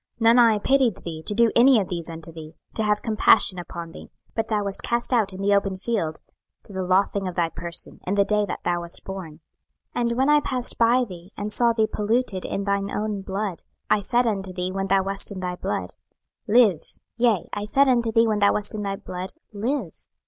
26:016:005 None eye pitied thee, to do any of these unto thee, to have compassion upon thee; but thou wast cast out in the open field, to the lothing of thy person, in the day that thou wast born. 26:016:006 And when I passed by thee, and saw thee polluted in thine own blood, I said unto thee when thou wast in thy blood, Live; yea, I said unto thee when thou wast in thy blood, Live.